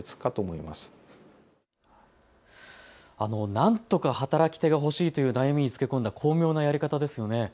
なんとか働き手が欲しいという悩みにつけ込んだ巧妙なやり方ですよね。